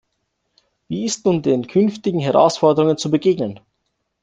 Wie ist nun den künftigen Herausforderungen zu begegnen?